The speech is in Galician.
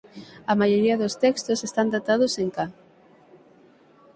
A maioría dos textos están datados en ca.